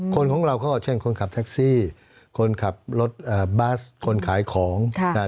คนของเราก็เช่นคนขับแท็กซี่คนขับรถเอ่อบัสคนขายของค่ะ